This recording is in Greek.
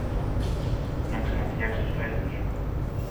να ξαναφτιάξεις το έθνος σου.